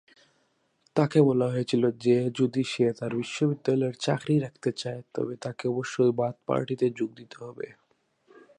তাকে বলা হয়েছিল যে যদি সে তার বিশ্ববিদ্যালয়ের চাকরি রাখতে চায় তবে তাকে অবশ্যই বাথ পার্টিতে যোগ দিতে হবে।